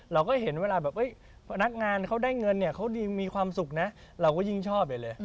เราก็เห็นเวลาแบบพนักงานเขาได้เงินเนี่ยเขามีความสุขนะเราก็ยิ่งชอบใหญ่เลย